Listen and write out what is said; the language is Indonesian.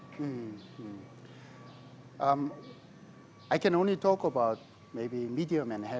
saya hanya bisa membahas tentang perjalanan otomotif di bidang medium dan berat